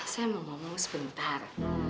saya mau ngomong sebentar